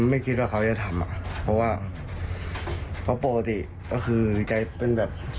ไม่คิดว่าเขาจะทำอ่ะเพราะว่าเพราะปกติก็คือแกเป็นแบบ